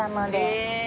へえ。